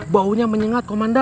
baunya menyengat komandan